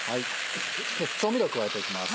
調味料加えていきます。